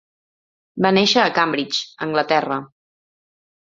Va nàixer a Cambridge, Anglaterra.